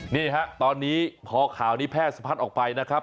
นี่ฮะตอนนี้พอข่าวนี้แพร่สะพัดออกไปนะครับ